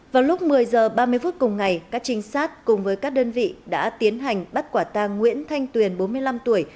vào lúc một mươi h ba mươi phút cùng ngày các trinh sát cùng với các đơn vị đã tiến hành bắt quả tang nguyễn thanh tuyền bốn mươi năm tuổi